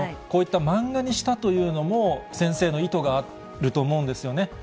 こういった漫画にしたというのも、先生の意図があると思うんですよね。